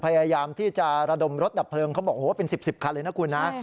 พยายามที่จะระดมรถดับเพลิงเขาบอกโอ้โหเป็น๑๐คันเลยนะคุณนะ